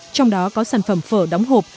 trong đó có sản phẩm phở đóng hộp